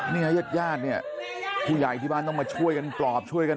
ญาติญาติเนี่ยผู้ใหญ่ที่บ้านต้องมาช่วยกันปลอบช่วยกัน